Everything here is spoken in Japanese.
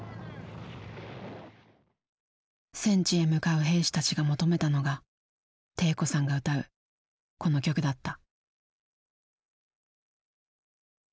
戦地へ向かう兵士たちが求めたのが悌子さんが歌うこの曲だった。